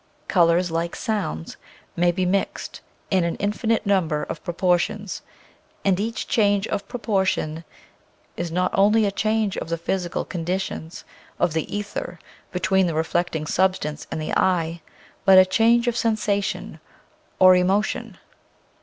Colors, like sounds, may be mixed in an infinite number of proportions, and each change of proportion is not only a change of the physical conditions of the ether between the reflecting substance and the eye, but a change of sensation, or emo tion.